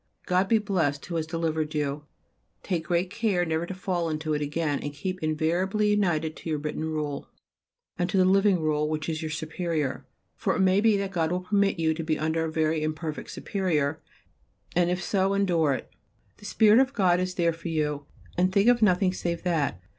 God be blessed who has delivered you. Take great care never to fall into it again and keep invariably united to your written Rule, and to the living rule which is your Superior. For it may be that God will permit you to be under a very imperfect Superior, and, if so, endure it. The spirit of God is there for you, and think of nothing save that.